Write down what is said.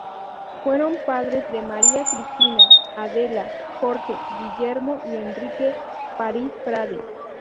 Fueron padres de María Cristina, Adela, Jorge, Guillermo y Enrique París Frade.